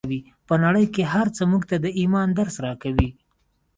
په نړۍ کې هر څه موږ ته د ايمان درس راکوي.